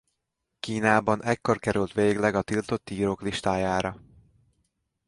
Kínában ekkor került végleg a tiltott írók listájára.